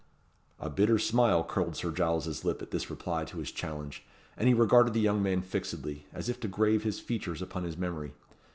A bitter smile curled Sir Giles's lip at this reply to his challenge, and he regarded the young man fixedly, as if to grave his features upon his memory.